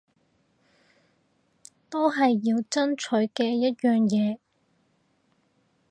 都係要爭取嘅一樣嘢